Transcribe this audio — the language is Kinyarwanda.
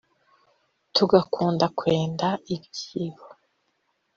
tuganduka twenda ibyibo